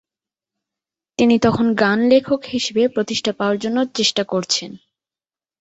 তিনি তখন গান লেখক হিসেবে প্রতিষ্ঠা পাওয়ার জন্য চেষ্টা করছেন।